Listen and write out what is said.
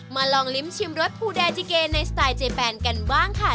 ลองลิ้มชิมรสพูแดจิเกในสไตล์เจแปนกันบ้างค่ะ